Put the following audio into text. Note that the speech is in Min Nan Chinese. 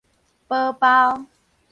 堡包